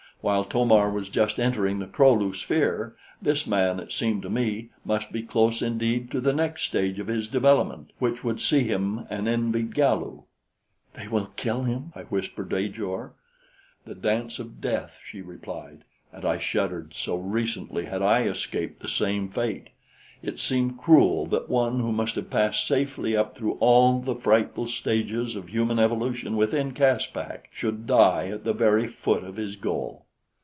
While To mar was just entering the Kro lu sphere, this man, it seemed to me, must be close indeed to the next stage of his development, which would see him an envied Galu. "They will kill him?" I whispered to Ajor. "The dance of death," she replied, and I shuddered, so recently had I escaped the same fate. It seemed cruel that one who must have passed safely up through all the frightful stages of human evolution within Caspak, should die at the very foot of his goal.